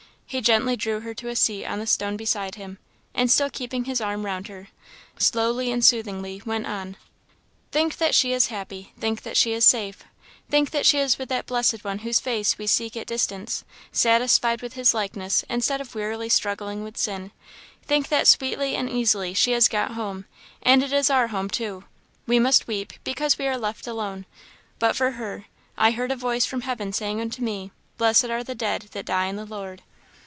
He gently drew her to a seat on the stone beside him, and still keeping his arm round her, slowly and soothingly went on "Think that she is happy; think that she is safe; think that she is with that blessed One whose face we seek at a distance satisfied with His likeness instead of wearily struggling with sin; think that sweetly and easily she has got home; and it is our home, too. We must weep, because we are left alone; but for her 'I heard a voice from heaven saying unto me, Blessed are the dead that die in the Lord!'